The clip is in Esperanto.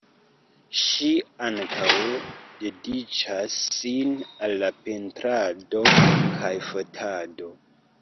Ŝi ankaŭ dediĉas sin al la pentrado kaj fotado.